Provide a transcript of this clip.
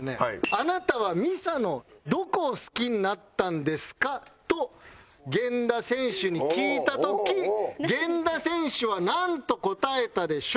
「あなたは美彩のどこを好きになったんですか？」と源田選手に聞いた時源田選手はなんと答えたでしょう？